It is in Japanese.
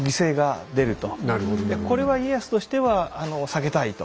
これは家康としては避けたいと。